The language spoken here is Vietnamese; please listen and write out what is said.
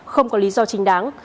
không có lý do trình đáng